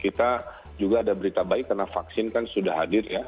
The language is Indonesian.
kita juga ada berita baik karena vaksin kan sudah hadir ya